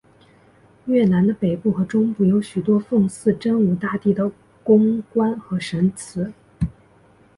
越南的北部和中部有许多奉祀真武大帝的宫观和神祠。